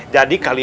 jadi kalian bisa